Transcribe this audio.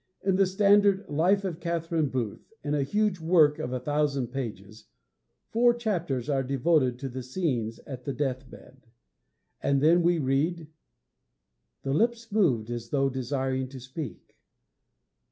In the standard Life of Catherine Booth a huge work of a thousand pages four chapters are devoted to the scenes at the deathbed. And then we read: 'The lips moved as though desiring to speak.